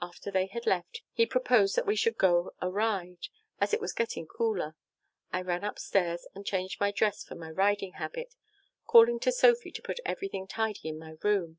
After they had left, he proposed that we should go a ride, as it was getting cooler. I ran up stairs and changed my dress for my riding habit, calling to Sophy to put everything tidy in my room.